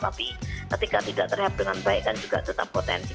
tapi ketika tidak terhab dengan baik kan juga tetap potensi